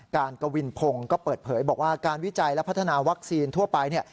กวินพงศ์ก็เปิดเผยบอกว่าการวิจัยและพัฒนาวัคซีนทั่วไปเนี่ย